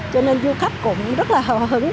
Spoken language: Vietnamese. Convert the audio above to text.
cho nên du khách cũng rất hào hứng